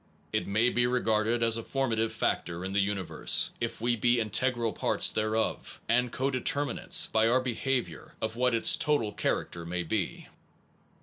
It may be regarded as a formative factor in the universe, if we be integral parts thereof and co determinants, by our behavior, of what its total character may be.